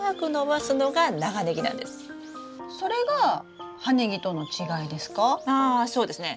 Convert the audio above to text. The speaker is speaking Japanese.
それが葉ネギとの違いですか？